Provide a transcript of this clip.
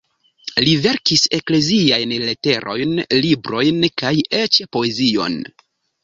Li verkis ekleziajn leterojn, librojn kaj eĉ poezion.